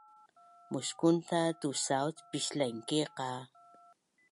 Muskunta tusauc pislaingki qa